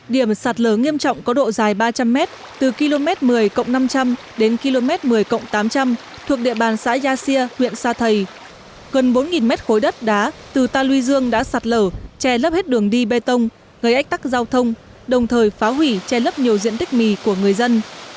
điểm sạt lở nghiêm trọng có độ dài ba trăm linh m từ km một mươi năm trăm linh đến km một mươi tám trăm linh thuộc địa bàn xã gia xia huyện sa thầy gần bốn mét khối đất đá từ ta luy dương đã sạt lở che lấp hết đường đi bê tông gây ách tắc giao thông đồng thời phá hủy che lấp nhiều diện tích mì của người dân